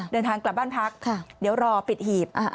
เดินทางกลับบ้านพักเดี๋ยวรอปิดหีบ